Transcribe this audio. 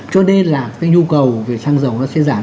cho nên là nhu cầu sang dầu sẽ giảm